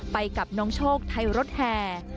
ไปกับน้องโชคไทยรถแห่